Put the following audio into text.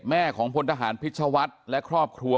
แม่ของพลทหารพิชชวัตรและครอบครัว